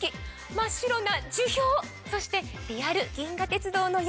真っ白な樹氷そしてリアル「銀河鉄道の夜」